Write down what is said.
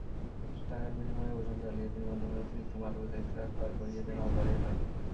টাকার বিনিময়ে ওজন জালিয়াতির মাধ্যমে অতিরিক্ত মালবোঝাই ট্রাক পার করিয়ে দেন অপারেটর।